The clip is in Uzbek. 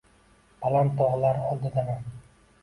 Baland tog'lar oldidaman.